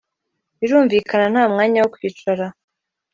Birumvikana nta mwanya wo kwicara